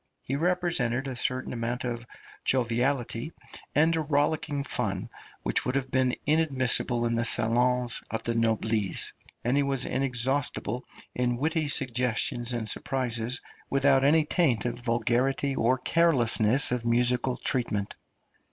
He represented a certain amount of joviality and rollicking fun which would have been inadmissible in the salons of the noblesse, and he was inexhaustible in witty suggestions and surprises, without any taint of vulgarity or carelessness of musical treatment.